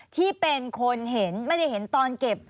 ที่เป็นคนเห็นไม่ได้เห็นตอนเก็บ